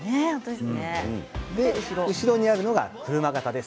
後ろにあるのが車形です。